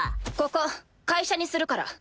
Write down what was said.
ここ会社にするから。